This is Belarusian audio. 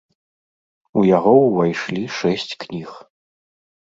У яго ўвайшлі шэсць кніг.